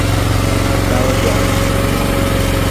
Tawa gwalin.